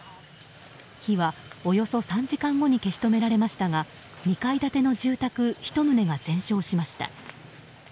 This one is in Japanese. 火はおよそ３時間後に消し止められましたが２階建ての住宅１棟が全焼しました。